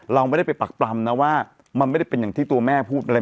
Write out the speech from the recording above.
เราไม่ได้ไปปรักปรำนะว่ามันไม่ได้เป็นอย่างที่ตัวแม่พูดอะไร